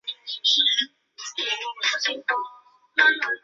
种子岛氏是日本九州地区的一个氏族。